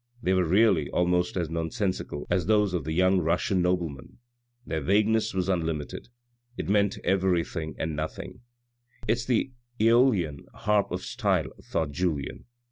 They were really almost as nonsensical as those of the young Russian nobleman. Their vagueness was unlimited. It meant every thing and nothing. ," It's the JEoY\z.w harp of style," thought Tulien.